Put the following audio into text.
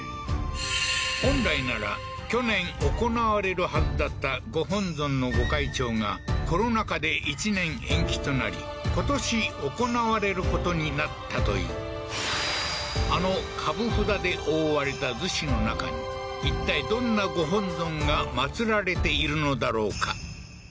本来なら去年行われるはずだった御本尊の御開帳がコロナ禍で１年延期となり今年行われることになったというあの株札で覆われた厨子の中にいったいどんな御本尊が祀られているのだろうか？